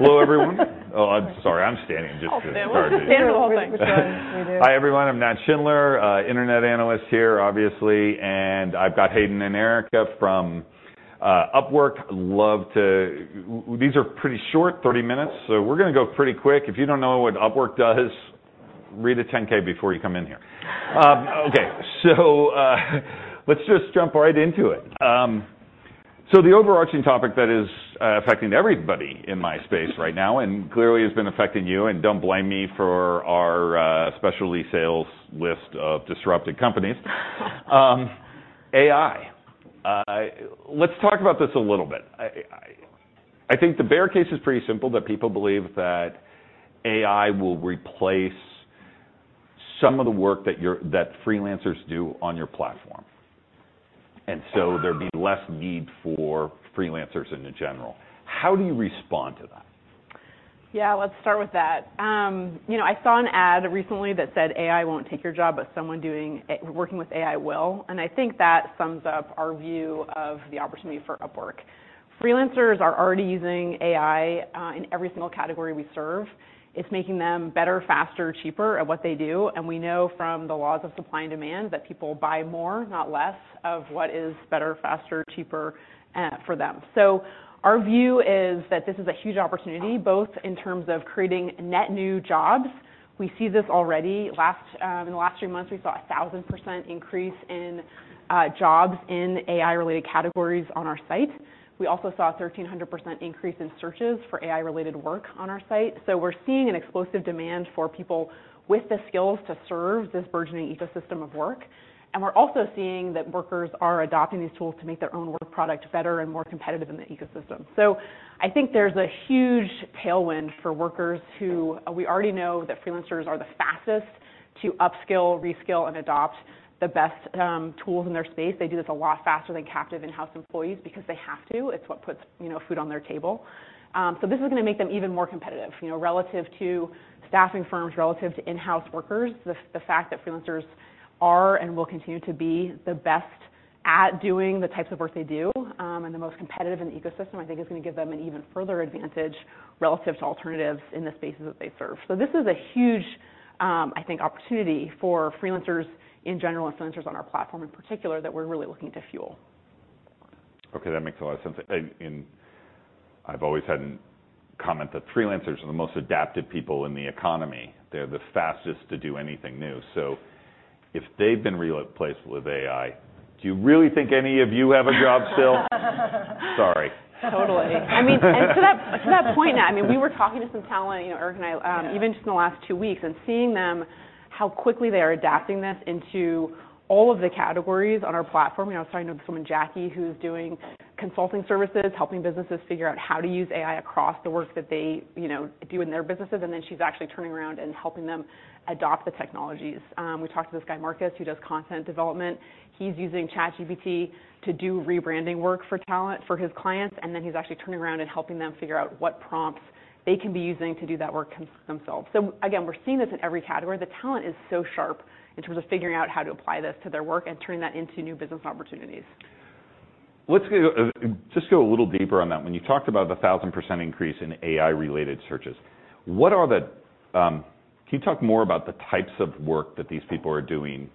Hello, everyone. Oh, I'm sorry, I'm standing just to start it. Oh, stand the whole thing. We do. Hi, everyone. I'm Nat Schindler, internet analyst here, obviously, and I've got Hayden and Erica from Upwork. These are pretty short, 30 minutes, so we're gonna go pretty quick. If you don't know what Upwork does, read the 10-K before you come in here. Okay, let's just jump right into it. The overarching topic that is affecting everybody in my space right now, and clearly has been affecting you, and don't blame me for our specialty sales list of disrupted companies, AI. Let's talk about this a little bit. I think the bare case is pretty simple, that people believe that AI will replace some of the work that freelancers do on your platform, and so there'd be less need for freelancers in the general. How do you respond to that? Yeah, let's start with that. you know, I saw an ad recently that said, "AI won't take your job, but someone working with AI will," and I think that sums up our view of the opportunity for Upwork. Freelancers are already using AI in every single category we serve. It's making them better, faster, cheaper at what they do, and we know from the laws of supply and demand that people buy more, not less, of what is better, faster, cheaper for them. Our view is that this is a huge opportunity, both in terms of creating net new jobs. We see this already. Last, in the last three months, we saw a 1,000% increase in jobs in AI-related categories on our site. We also saw a 1,300% increase in searches for AI-related work on our site. We're seeing an explosive demand for people with the skills to serve this burgeoning ecosystem of work, and we're also seeing that workers are adopting these tools to make their own work product better and more competitive in the ecosystem. I think there's a huge tailwind for workers who. We already know that freelancers are the fastest to upskill, reskill, and adopt the best tools in their space. They do this a lot faster than captive in-house employees because they have to. It's what puts, you know, food on their table. This is gonna make them even more competitive, you know, relative to staffing firms, relative to in-house workers. The fact that freelancers are and will continue to be the best at doing the types of work they do, and the most competitive in the ecosystem, I think is gonna give them an even further advantage relative to alternatives in the spaces that they serve. This is a huge, I think, opportunity for freelancers in general, and freelancers on our platform in particular, that we're really looking to fuel. Okay, that makes a lot of sense. I've always had a comment that freelancers are the most adaptive people in the economy. They're the fastest to do anything new. If they've been replaceable with AI, do you really think any of you have a job still? Sorry. Totally. I mean, and to that, to that point, Nat, I mean, we were talking to some talent, you know, Erica and I. Yeah... even just in the last two weeks, seeing them, how quickly they are adapting this into all of the categories on our platform. You know, I was talking to someone, Jackie, who's doing consulting services, helping businesses figure out how to use AI across the work that they, you know, do in their businesses, and then she's actually turning around and helping them adopt the technologies. We talked to this guy, Marcus, who does content development. He's using ChatGPT to do rebranding work for talent for his clients, and then he's actually turning around and helping them figure out what prompts they can be using to do that work themselves. Again, we're seeing this in every category. The talent is so sharp in terms of figuring out how to apply this to their work and turning that into new business opportunities. Let's go, just go a little deeper on that. When you talked about the 1,000% increase in AI-related searches, Can you talk more about the types of work that these people are doing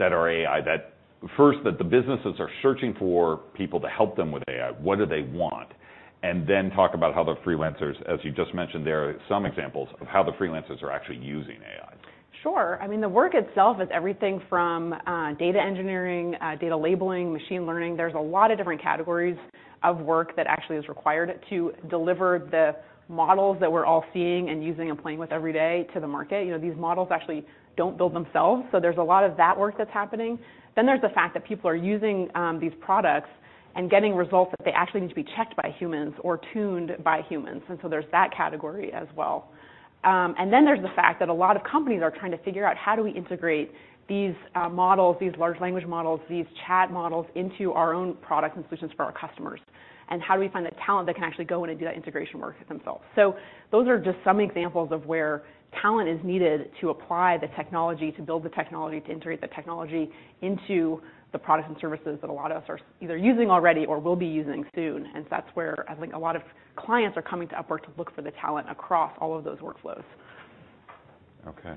that are AI, that first, that the businesses are searching for people to help them with AI? What do they want? Talk about how the freelancers, as you just mentioned, there are some examples of how the freelancers are actually using AI. Sure. I mean, the work itself is everything from data engineering, data labeling, machine learning. There's a lot of different categories of work that actually is required to deliver the models that we're all seeing and using and playing with every day to the market. You know, these models actually don't build themselves, so there's a lot of that work that's happening. There's the fact that people are using these products and getting results that they actually need to be checked by humans or tuned by humans, and so there's that category as well. There's the fact that a lot of companies are trying to figure out, how do we integrate these models, these large language models, these chat models, into our own products and solutions for our customers? How do we find the talent that can actually go in and do that integration work themselves? Those are just some examples of where talent is needed to apply the technology, to build the technology, to integrate the technology into the products and services that a lot of us are either using already or will be using soon, and that's where I think a lot of clients are coming to Upwork to look for the talent across all of those workflows. Okay.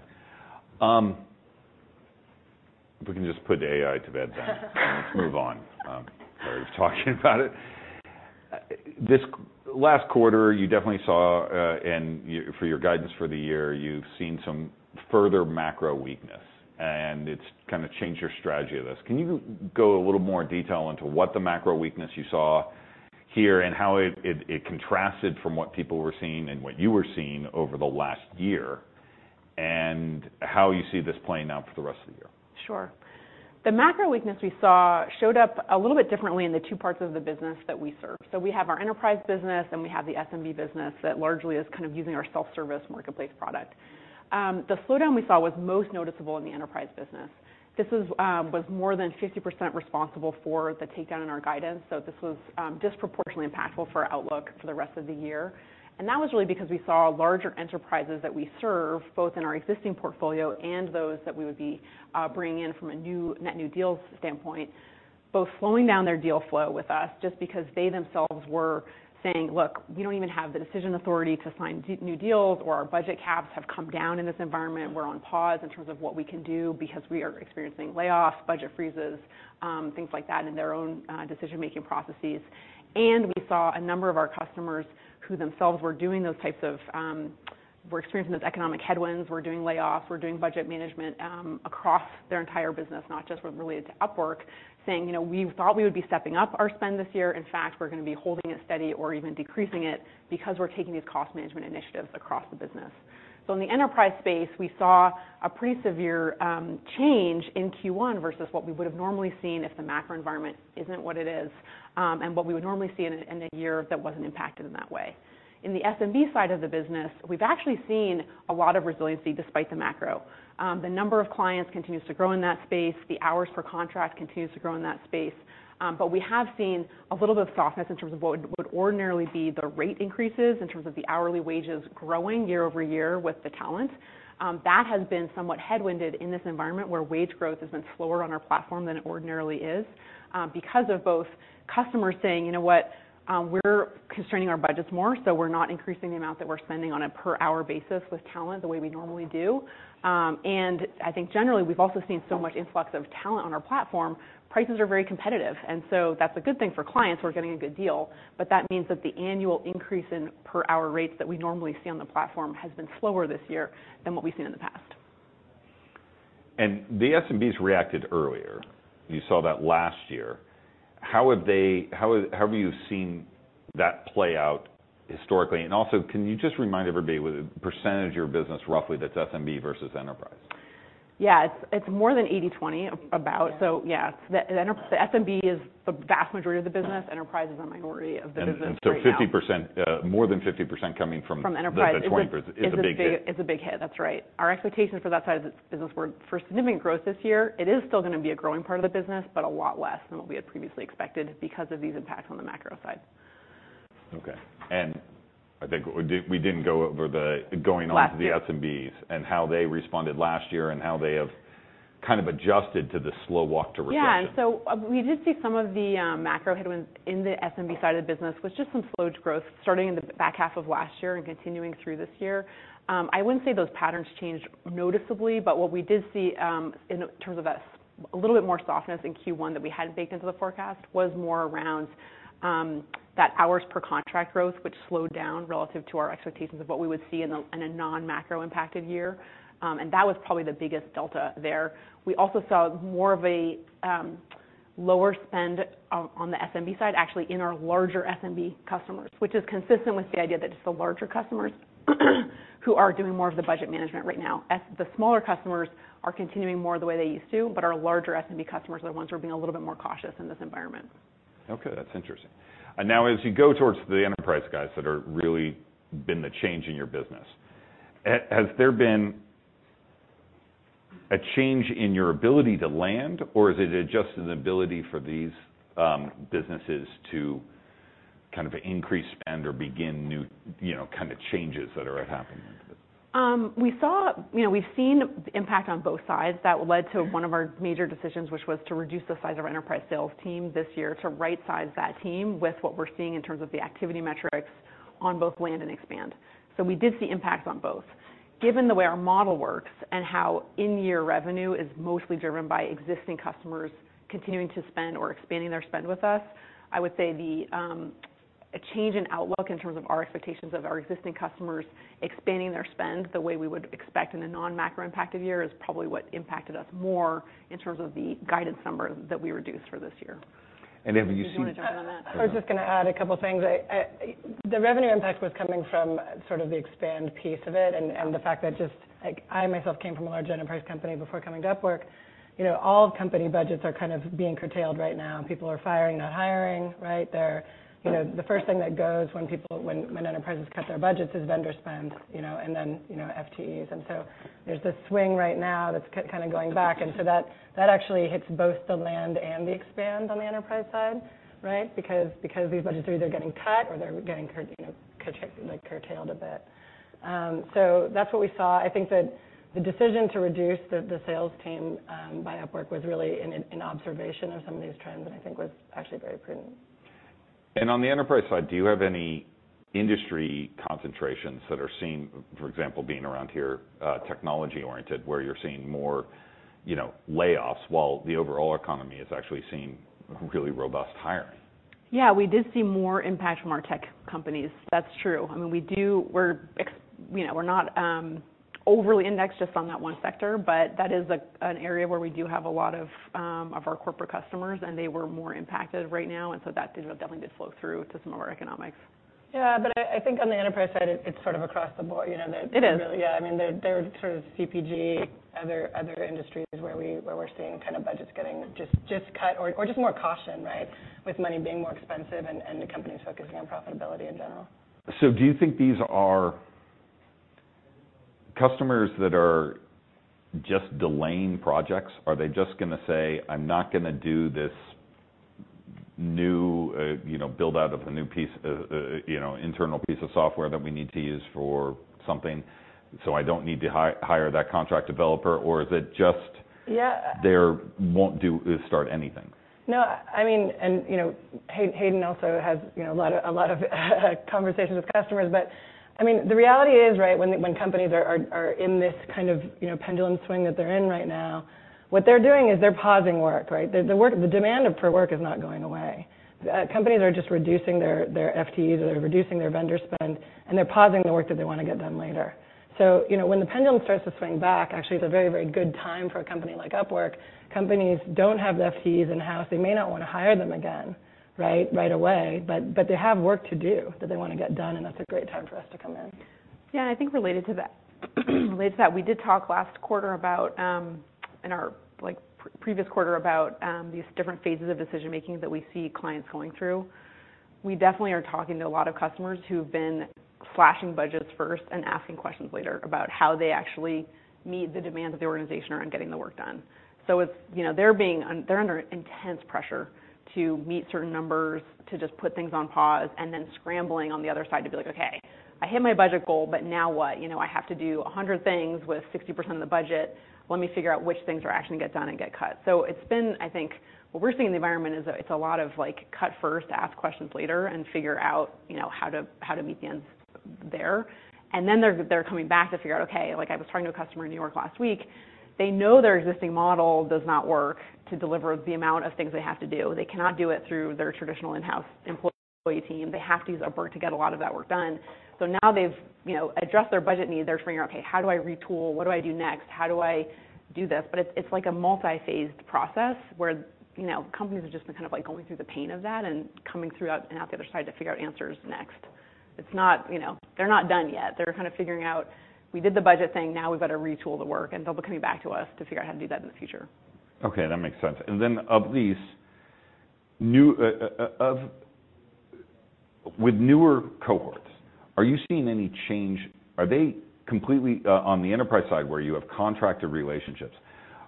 We can just put AI to bed then. Let's move on. I'm tired of talking about it. This last quarter, you definitely saw, and for your guidance for the year, you've seen some further macro weakness, and it's kinda changed your strategy of this. Can you go a little more detail into what the macro weakness you saw here, and how it contrasted from what people were seeing and what you were seeing over the last year, and how you see this playing out for the rest of the year? Sure. The macro weakness we saw showed up a little bit differently in the two parts of the business that we serve. We have our enterprise business, and we have the SMB business that largely is kind of using our self-service marketplace product. The slowdown we saw was most noticeable in the enterprise business. This was more than 50% responsible for the takedown in our guidance. This was disproportionately impactful for our outlook for the rest of the year. That was really because we saw larger enterprises that we serve, both in our existing portfolio and those that we would be bringing in from a net new deals standpoint, both slowing down their deal flow with us, just because they themselves were saying, "Look, we don't even have the decision authority to sign new deals, or our budget caps have come down in this environment. We're on pause in terms of what we can do because we are experiencing layoffs, budget freezes, things like that in their own decision-making processes. We saw a number of our customers, who themselves were doing those types of, were experiencing those economic headwinds, were doing layoffs, were doing budget management across their entire business, not just what related to Upwork, saying, "You know, we thought we would be stepping up our spend this year. In fact, we're gonna be holding it steady or even decreasing it, because we're taking these cost management initiatives across the business. In the enterprise space, we saw a pretty severe change in Q1 versus what we would have normally seen if the macro environment isn't what it is, and what we would normally see in a, in a year that wasn't impacted in that way. In the SMB side of the business, we've actually seen a lot of resiliency despite the macro. The number of clients continues to grow in that space, the hours per contract continues to grow in that space, but we have seen a little bit of softness in terms of what would ordinarily be the rate increases, in terms of the hourly wages growing year-over-year with the talent. That has been somewhat headwinded in this environment, where wage growth has been slower on our platform than it ordinarily is, because of both customers saying, "You know what? We're constraining our budgets more, so we're not increasing the amount that we're spending on a per-hour basis with talent the way we normally do." I think generally, we've also seen so much influx of talent on our platform. Prices are very competitive, and so that's a good thing for clients who are getting a good deal, but that means that the annual increase in per-hour rates that we normally see on the platform has been slower this year than what we've seen in the past. The SMBs reacted earlier. You saw that last year. How have you seen that play out historically? Also, can you just remind everybody what the percentage of your business, roughly, that's SMB versus enterprise? Yeah. It's more than 80/20, about. Yeah. Yeah, the SMB is the vast majority of the business. Right. Enterprise is a minority of the business right now. 50%, more than 50% coming. From enterprise.... the 20% is a big hit. It's a big hit. That's right. Our expectations for that side of the business were for significant growth this year. It is still gonna be a growing part of the business, but a lot less than what we had previously expected because of these impacts on the macro side. Okay. I think we did, we didn't go over the. Last... to the SMBs, and how they responded last year, and how they have kind of adjusted to the slow walk to recession. We did see some of the macro headwinds in the SMB side of the business, was just some slowed growth, starting in the back half of last year and continuing through this year. I wouldn't say those patterns changed noticeably, but what we did see, in terms of a little bit more softness in Q1 than we had baked into the forecast, was more around that hours per contract growth, which slowed down relative to our expectations of what we would see in a non-macro-impacted year. That was probably the biggest delta there. We also saw more of a lower spend on the SMB side, actually, in our larger SMB customers, which is consistent with the idea that it's the larger customers, who are doing more of the budget management right now. The smaller customers are continuing more the way they used to, but our larger SMB customers are the ones who are being a little bit more cautious in this environment. Okay, that's interesting. Now, as you go towards the enterprise guys that are really been the change in your business, has there been a change in your ability to land, or is it adjusted ability for these businesses to kind of increase, spend, or begin new, you know, kind of changes that are happening? You know, we've seen impact on both sides. That led to one of our major decisions, which was to reduce the size of our enterprise sales team this year, to rightsize that team with what we're seeing in terms of the activity metrics on both land and expand. We did see impacts on both. Given the way our model works, and how in-year revenue is mostly driven by existing customers continuing to spend or expanding their spend with us, I would say, the, a change in outlook in terms of our expectations of our existing customers expanding their spend the way we would expect in a non-macro-impacted year, is probably what impacted us more in terms of the guidance numbers that we reduced for this year. have you seen- Do you want to jump on that? I was just gonna add a couple of things. The revenue impact was coming from sort of the expand piece of it, and the fact that just. Like, I, myself came from a large enterprise company before coming to Upwork. You know, all company budgets are kind of being curtailed right now. People are firing, not hiring, right? Mm-hmm. You know, the first thing that goes when enterprises cut their budgets, is vendor spend, you know, and then, you know, FTEs. There's this swing right now that's kind of going back, and so that actually hits both the land and the expand on the enterprise side, right? Because these budgets are either getting cut or they're getting you know, like curtailed a bit. That's what we saw. I think that the decision to reduce the sales team, by Upwork was really an observation of some of these trends, and I think was actually very prudent. On the enterprise side, do you have any industry concentrations that are seeing... for example, being around here, technology-oriented, where you're seeing more, you know, layoffs, while the overall economy is actually seeing really robust hiring? Yeah, we did see more impact from our tech companies. That's true. I mean, we do... We're you know, we're not overly indexed just on that one sector, but that is an area where we do have a lot of our corporate customers, and they were more impacted right now, that definitely did flow through to some of our economics. Yeah, I think on the enterprise side, it's sort of across the board, you know. It is.... Yeah. I mean, there are sort of CPG, other industries where we're seeing kind of budgets getting just cut or just more caution, right? With money being more expensive and the companies focusing on profitability in general. Do you think customers that are just delaying projects, are they just gonna say, "I'm not gonna do this new, you know, build out of the new piece, you know, internal piece of software that we need to use for something, so I don't need to hire that contract developer? Yeah. they're start anything? I mean, you know, Hayden also has, you know, a lot of conversations with customers. I mean, the reality is, right, when companies are in this kind of, you know, pendulum swing that they're in right now, what they're doing is they're pausing work, right? The demand for work is not going away. Companies are just reducing their FTEs, or they're reducing their vendor spend. They're pausing the work that they wanna get done later. You know, when the pendulum starts to swing back, actually, it's a very good time for a company like Upwork. Companies don't have the FTEs in-house. They may not wanna hire them again, right? Right away, but they have work to do that they want to get done, and that's a great time for us to come in. I think related to that, we did talk last quarter about in our, like, previous quarter, about these different phases of decision-making that we see clients going through. We definitely are talking to a lot of customers who've been slashing budgets first and asking questions later, about how they actually meet the demands of the organization around getting the work done. It's, you know, they're under intense pressure to meet certain numbers, to just put things on pause, and then scrambling on the other side to be like, "Okay, I hit my budget goal, but now what? You know, I have to do 100 things with 60% of the budget. Let me figure out which things are actually gonna get done and get cut." It's been. I think, what we're seeing in the environment is a, it's a lot of, like, cut first, ask questions later, and figure out, you know, how to, how to meet the ends there. They're, they're coming back to figure out, okay, like, I was talking to a customer in New York last week. They know their existing model does not work to deliver the amount of things they have to do. They cannot do it through their traditional in-house employee team. They have to use Upwork to get a lot of that work done. They've, you know, addressed their budget needs. They're figuring out, "Okay, how do I retool? What do I do next? How do I do this?" It's like a multi-phased process, where, you know, companies have just been kind of, like, going through the pain of that and coming through out the other side to figure out answers next. It's not... You know, they're not done yet. They're kind of figuring out, "We did the budget thing, now we've got to retool the work," and they'll be coming back to us to figure out how to do that in the future. Okay, that makes sense. Of these, new, with newer cohorts, are you seeing any change? Are they completely On the enterprise side, where you have contractor relationships,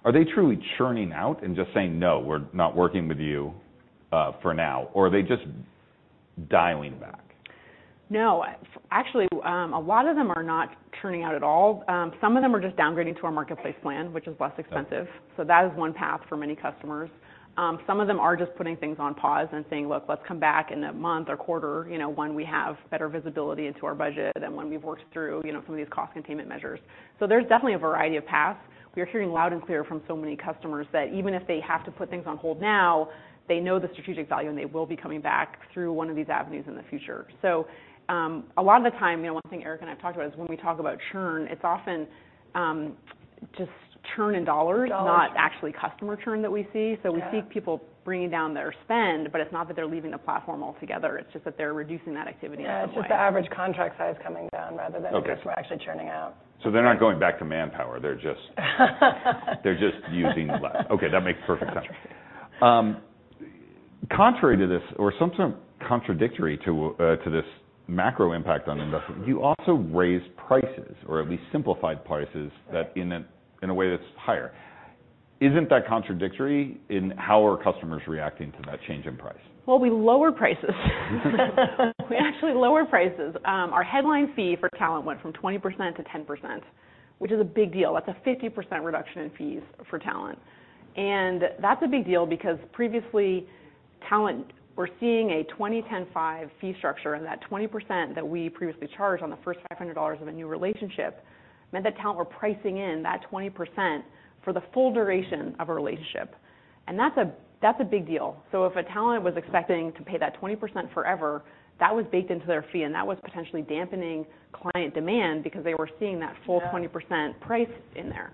are they truly churning out and just saying, "No, we're not working with you, for now," or are they just dialing back? No. Actually, a lot of them are not churning out at all. Some of them are just downgrading to our marketplace plan, which is less expensive. Okay. That is one path for many customers. Some of them are just putting things on pause and saying, "Look, let's come back in a month or quarter, you know, when we have better visibility into our budget and when we've worked through, you know, some of these cost containment measures." There's definitely a variety of paths. We are hearing loud and clear from so many customers that even if they have to put things on hold now, they know the strategic value, and they will be coming back through one of these avenues in the future. A lot of the time, you know, one thing Erica and I have talked about is, when we talk about churn, it's often, just churn in dollars. Dollars... not actually customer churn that we see. Yeah. We see people bringing down their spend, but it's not that they're leaving the platform altogether. It's just that they're reducing that activity in some way. Yeah, it's just the average contract size coming down, rather than. Okay... customers actually churning out. They're not going back to Manpower, They're just using less. Okay, that makes perfect sense. That's right. Contrary to this or some sort of contradictory to this macro impact on investment, you also raised prices, or at least simplified prices, that in a, in a way that's higher. Isn't that contradictory? How are customers reacting to that change in price? Well, we lowered prices. We actually lowered prices. Our headline fee for talent went from 20% to 10%, which is a big deal. That's a 50% reduction in fees for talent, and that's a big deal because previously, talent were seeing a 20-10-5 fee structure, and that 20% that we previously charged on the first $500 of a new relationship, meant that talent were pricing in that 20% for the full duration of a relationship, and that's a big deal. If a talent was expecting to pay that 20% forever, that was baked into their fee, and that was potentially dampening client demand because they were seeing that full- Yeah... 20% price in there.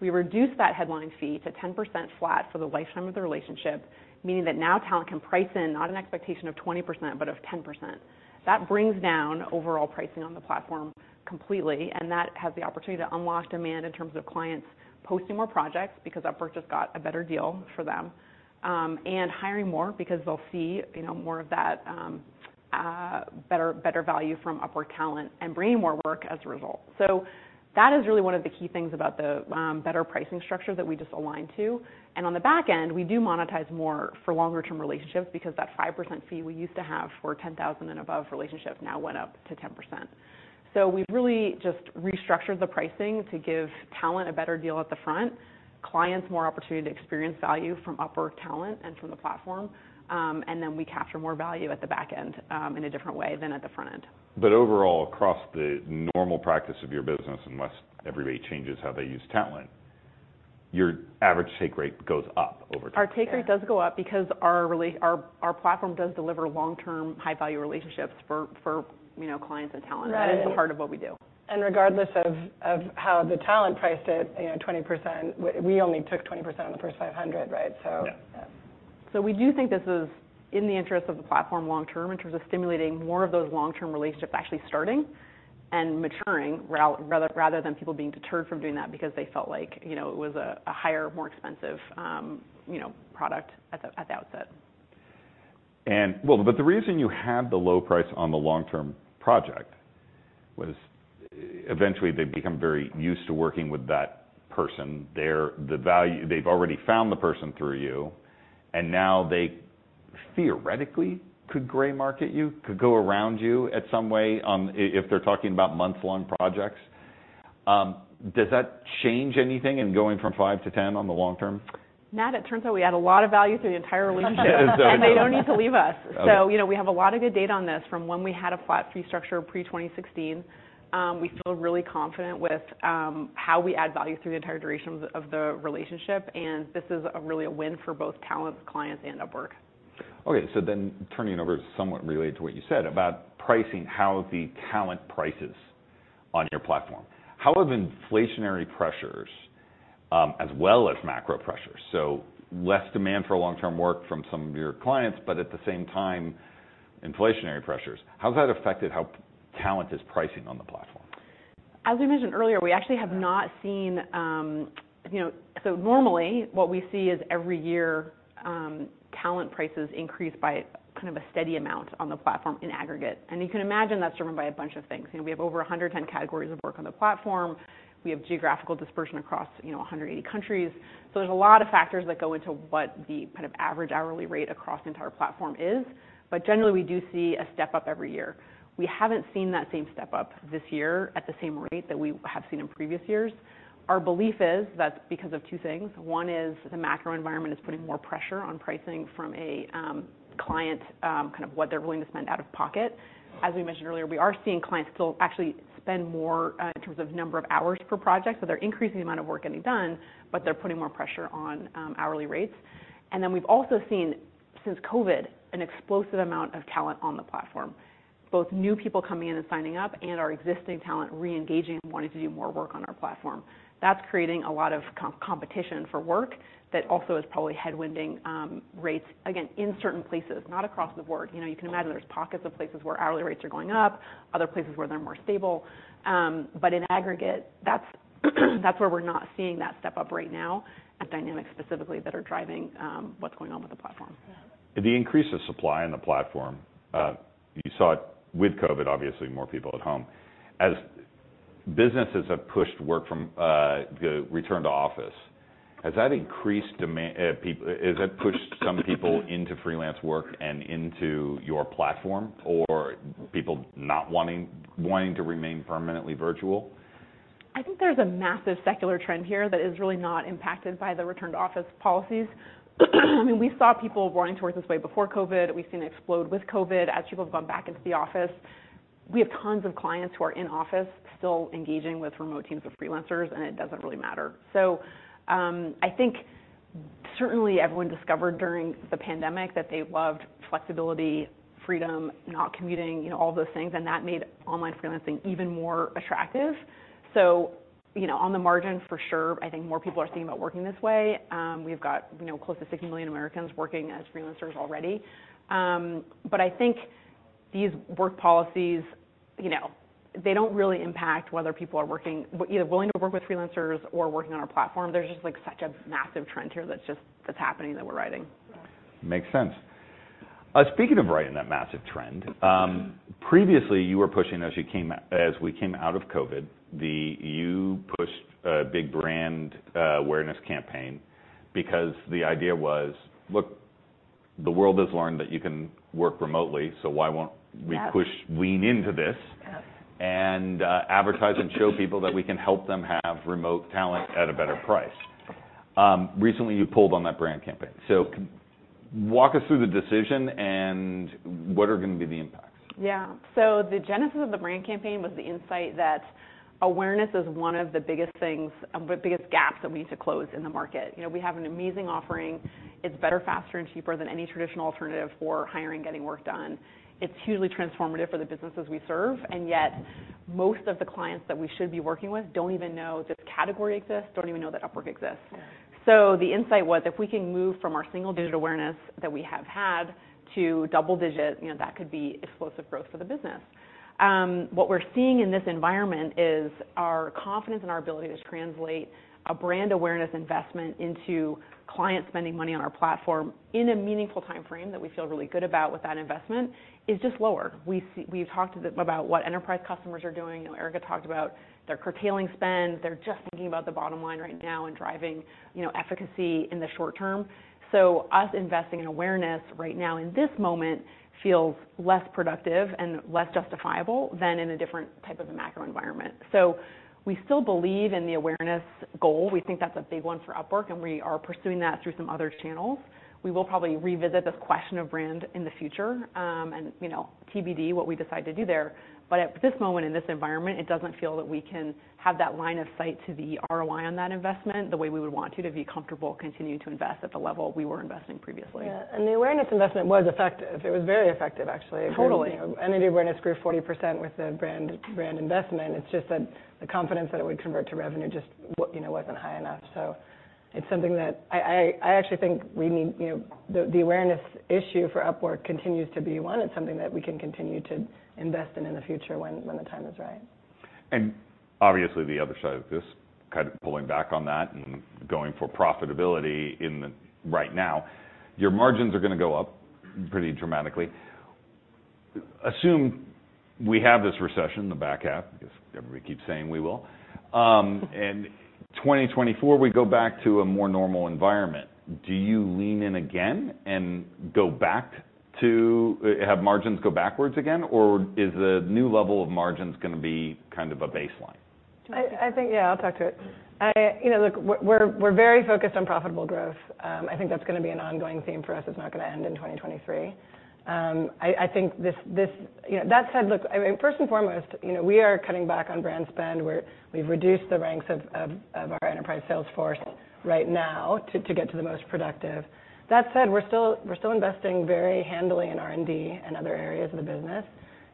We reduced that headline fee to 10% flat for the lifetime of the relationship, meaning that now talent can price in not an expectation of 20%, but of 10%. That brings down overall pricing on the platform completely, and that has the opportunity to unlock demand in terms of clients posting more projects, because Upwork just got a better deal for them, and hiring more because they'll see, you know, more of that, better value from Upwork talent and bringing more work as a result. That is really one of the key things about the better pricing structure that we just aligned to. On the back end, we do monetize more for longer-term relationships, because that 5% fee we used to have for 10,000 and above relationships now went up to 10%. We've really just restructured the pricing to give talent a better deal at the front, clients more opportunity to experience value from Upwork talent and from the platform, and then we capture more value at the back end, in a different way than at the front end. Overall, across the normal practice of your business, unless everybody changes how they use talent, your average take rate goes up over time? Our take rate does go up because our platform does deliver long-term, high-value relationships for, you know, clients and talent. Right. That is the heart of what we do. Regardless of how the talent priced it, you know, 20%, we only took 20% on the first $500, right? Yeah. Yeah. We do think this is in the interest of the platform long term, in terms of stimulating more of those long-term relationships actually starting and maturing, rather than people being deterred from doing that because they felt like, you know, it was a higher, more expensive, you know, product at the, at the outset. Well, the reason you had the low price on the long-term project was eventually, they become very used to working with that person. They've already found the person through you, now they theoretically could gray market you, could go around you at some way, if they're talking about month-long projects. Does that change anything in going from 5 to 10 on the long term? Nat, it turns out we add a lot of value through the entire relationship, and they don't need to leave us. Okay. You know, we have a lot of good data on this from when we had a flat fee structure pre-2016. We feel really confident with how we add value through the entire duration of the relationship, and this is a really a win for both talents, clients, and Upwork. Turning it over to somewhat related to what you said about pricing, how the talent prices on your platform. How have inflationary pressures, as well as macro pressures, so less demand for long-term work from some of your clients, but at the same time, inflationary pressures, how has that affected how talent is pricing on the platform? As we mentioned earlier, we actually have not seen. You know, normally, what we see is every year, talent prices increase by kind of a steady amount on the platform in aggregate. You can imagine that's driven by a bunch of things. You know, we have over 110 categories of work on the platform. We have geographical dispersion across, you know, 180 countries. There's a lot of factors that go into what the kind of average hourly rate across the entire platform is. Generally, we do see a step-up every year. We haven't seen that same step-up this year at the same rate that we have seen in previous years. Our belief is that's because of two things. One is the macro environment is putting more pressure on pricing from a client, kind of what they're willing to spend out of pocket. As we mentioned earlier, we are seeing clients still actually spend more in terms of number of hours per project, so they're increasing the amount of work getting done, but they're putting more pressure on hourly rates. We've also seen, since COVID, an explosive amount of talent on the platform. Both new people coming in and signing up, and our existing talent reengaging and wanting to do more work on our platform. That's creating a lot of competition for work that also is probably headwinding rates, again, in certain places, not across the board. You know, you can imagine there's pockets of places where hourly rates are going up, other places where they're more stable. In aggregate, that's where we're not seeing that step up right now, at dynamics specifically, that are driving what's going on with the platform. Yeah. The increase of supply in the platform, you saw it with COVID, obviously, more people at home. As businesses have pushed work from, the return to office, has that increased demand, has that pushed some people into freelance work and into your platform, or people not wanting to remain permanently virtual? I think there's a massive secular trend here that is really not impacted by the return to office policies. I mean, we saw people running towards this way before COVID, we've seen it explode with COVID, as people have gone back into the office. We have tons of clients who are in office still engaging with remote teams of freelancers, and it doesn't really matter. I think certainly everyone discovered during the pandemic that they loved flexibility, freedom, not commuting, you know, all those things, and that made online freelancing even more attractive. You know, on the margin, for sure, I think more people are thinking about working this way. We've got, you know, close to 60 million Americans working as freelancers already. I think these work policies, you know, they don't really impact whether people are working... either willing to work with freelancers or working on our platform. There's just, like, such a massive trend here that's happening, that we're riding. Makes sense. Speaking of riding that massive trend, previously, you were pushing, as we came out of COVID, you pushed a big brand, awareness campaign because the idea was, look, the world has learned that you can work remotely, so why won't we- Yeah Lean into this. Yeah... and advertise and show people that we can help them have remote talent at a better price. Recently, you pulled on that brand campaign. Walk us through the decision and what are going to be the impacts? The genesis of the brand campaign was the insight that awareness is one of the biggest things, the biggest gaps that we need to close in the market. You know, we have an amazing offering. It's better, faster, and cheaper than any traditional alternative for hiring, getting work done. It's hugely transformative for the businesses we serve. Most of the clients that we should be working with don't even know this category exists, don't even know that Upwork exists. Yeah. The insight was, if we can move from our single-digit awareness that we have had to double digit, you know, that could be explosive growth for the business. What we're seeing in this environment is our confidence and our ability to translate a brand awareness investment into clients spending money on our platform in a meaningful timeframe that we feel really good about with that investment, is just lower. We've talked a bit about what enterprise customers are doing. You know, Erica talked about they're curtailing spend. They're just thinking about the bottom line right now and driving, you know, efficacy in the short term. Us investing in awareness right now in this moment, feels less productive and less justifiable than in a different type of a macro environment. We still believe in the awareness goal. We think that's a big one for Upwork, and we are pursuing that through some other channels. We will probably revisit this question of brand in the future, and, you know, TBD what we decide to do there. At this moment, in this environment, it doesn't feel that we can have that line of sight to the ROI on that investment the way we would want to be comfortable continuing to invest at the level we were investing previously. Yeah, the awareness investment was effective. It was very effective, actually. Totally. The awareness grew 40% with the brand investment. It's just that the confidence that it would convert to revenue just you know, wasn't high enough. It's something that I actually think we need. You know, the awareness issue for Upwork continues to be one. It's something that we can continue to invest in in the future when the time is right. ...Obviously, the other side of this, kind of pulling back on that and going for profitability right now, your margins are gonna go up pretty dramatically. Assume we have this recession in the back half, because everybody keeps saying we will, and 2024, we go back to a more normal environment. Do you lean in again and go back to, have margins go backwards again, or is the new level of margins gonna be kind of a baseline? I think, yeah, I'll talk to it. You know, look, we're very focused on profitable growth. I think that's gonna be an ongoing theme for us. It's not gonna end in 2023. I think this... You know, that said, look, I mean, first and foremost, you know, we are cutting back on brand spend, we've reduced the ranks of our enterprise sales force right now to get to the most productive. That said, we're still investing very handily in R&D and other areas of the business,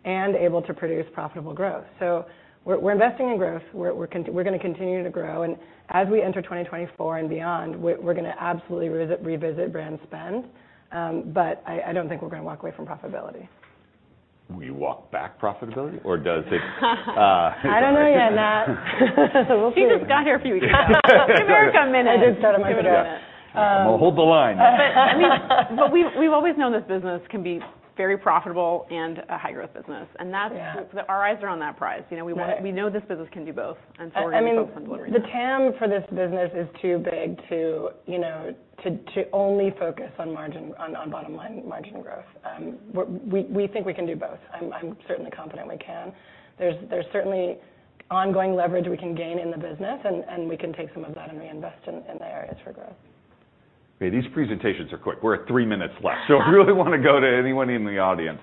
and able to produce profitable growth. We're investing in growth. We're gonna continue to grow, and as we enter 2024 and beyond, we're gonna absolutely revisit brand spend. I don't think we're gonna walk away from profitability. Will you walk back profitability, or does it? I don't know yet, Nat Schindler. We'll see. She just got here a few weeks ago. Give her a minute. I did start on. We'll hold the line. I mean, we've always known this business can be very profitable and a high-growth business. Yeah Our eyes are on that prize. You know, we want-. Right We know this business can do both, and so we're gonna focus on delivering that. I mean, the TAM for this business is too big to, you know, to only focus on margin, on bottom line margin growth. We think we can do both. I'm certainly confident we can. There's certainly ongoing leverage we can gain in the business, and we can take some of that and reinvest in the areas for growth. Okay, these presentations are quick. We're at three minutes left. I really wanna go to anyone in the audience,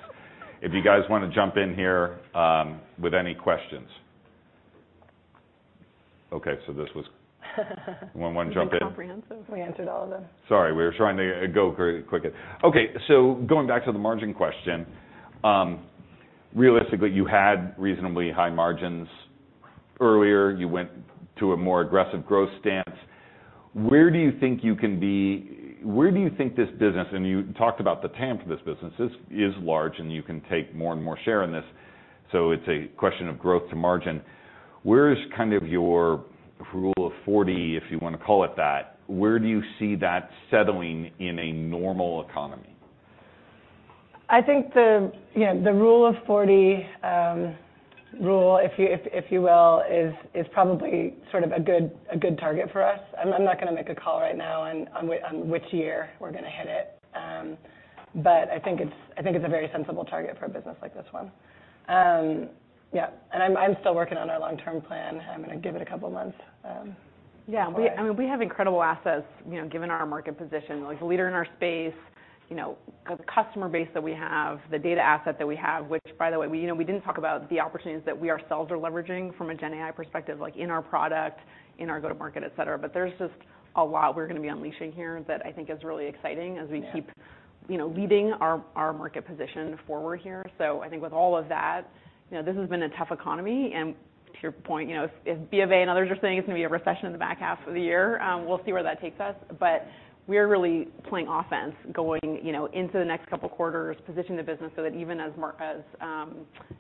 if you guys wanna jump in here with any questions. Okay, Anyone wanna jump in? Comprehensive. We answered all of them. Sorry, we were trying to go pretty quick. Going back to the margin question, realistically, you had reasonably high margins earlier. You went to a more aggressive growth stance. Where do you think this business... You talked about the TAM for this business. This is large, and you can take more and more share in this, so it's a question of growth to margin. Where is kind of your Rule of 40, if you wanna call it that, where do you see that settling in a normal economy? I think the, you know, the Rule of 40 rule, if you will, is probably sort of a good target for us. I'm not gonna make a call right now on which year we're gonna hit it. I think it's a very sensible target for a business like this one. Yeah, I'm still working on our long-term plan. I'm gonna give it a couple of months. Yeah, we, I mean, we have incredible assets, you know, given our market position. Like, the leader in our space, you know, the customer base that we have, the data asset that we have, which, by the way, you know, we didn't talk about the opportunities that we ourselves are leveraging from a GenAI perspective, like in our product, in our go-to market, et cetera. There's just a lot we're gonna be unleashing here that I think is really exciting. Yeah... as we keep, you know, leading our market position forward here. I think with all of that, you know, this has been a tough economy, and to your point, you know, if BofA and others are saying it's gonna be a recession in the back half of the year, we'll see where that takes us. We're really playing offense going, you know, into the next couple of quarters, positioning the business so that even as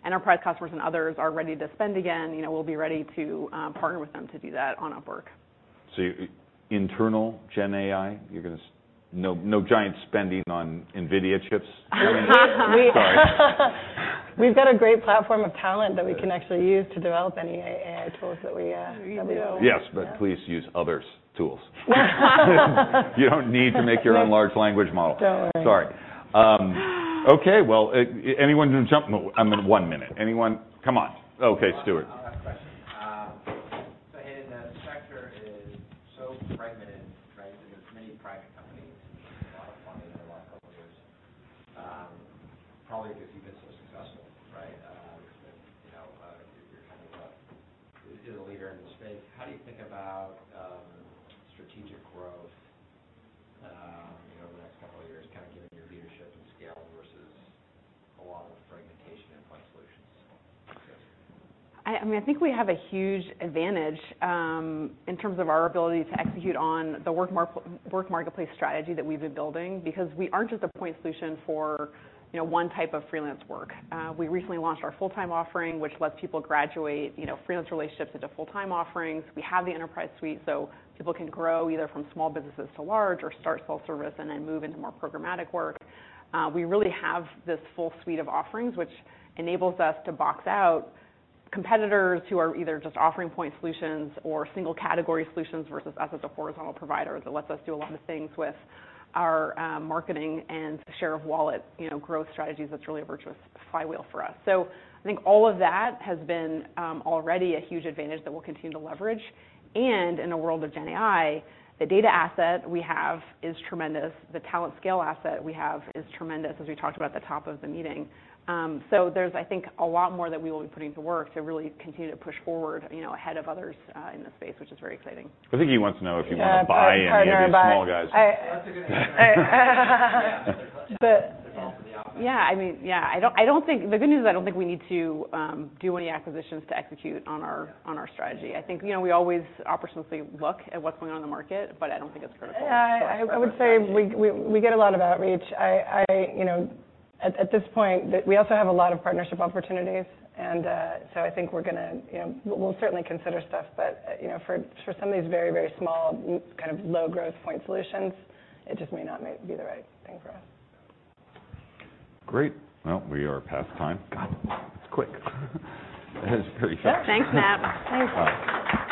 enterprise customers and others are ready to spend again, you know, we'll be ready to partner with them to do that on Upwork. internal GenAI, No giant spending on NVIDIA chips? We- Sorry. We've got a great platform of talent that we can actually use to develop any AI tools that we. We do. Yes, but please use others' tools. You don't need to make your own large language model. Don't. Sorry. Okay, well, anyone can jump... I'm at one minute. Anyone? Come on. Okay, Stuart. competitors who are either just offering point solutions or single category solutions versus us as a horizontal provider. That lets us do a lot of things with our marketing and share of wallet, you know, growth strategies. That's really a virtuous flywheel for us. I think all of that has been already a huge advantage that we'll continue to leverage. In a world of GenAI, the data asset we have is tremendous. The talent scale asset we have is tremendous, as we talked about at the top of the meeting. There's, I think, a lot more that we will be putting to work to really continue to push forward, you know, ahead of others in this space, which is very exciting. I think he wants to know if you want- Yeah, partner, buy.... to buy any of these small guys. That's a good... Yeah, good question. It's also the option. Yeah. I mean, yeah, I don't think. The good news is I don't think we need to do any acquisitions to execute. Yeah on our strategy. I think, you know, we always opportunistically look at what's going on in the market, but I don't think it's critical. Yeah, I would say we get a lot of outreach. You know, at this point, we also have a lot of partnership opportunities, and so I think we're gonna, you know, we'll certainly consider stuff, but, you know, for some of these very, very small, kind of low growth point solutions, it just may not be the right thing for us. Great! We are past time. God, it's quick. It's very fast. Thanks, Nat. Thanks. Bye.